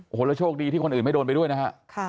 โอ้โหแล้วโชคดีที่คนอื่นไม่โดนไปด้วยนะฮะ